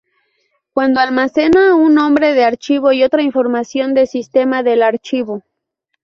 Cuando almacena un nombre de archivo y otra información de sistema del archivo.